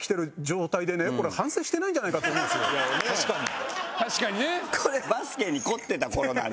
確かにね。